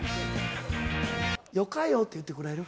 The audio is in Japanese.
よかよって言うてくれる？